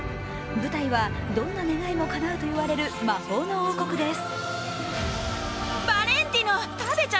舞台はどんな願いもかなうと言われる魔法の王国です。